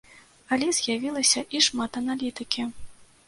Але з'явілася і шмат аналітыкі.